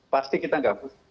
pasti kita tidak rusuk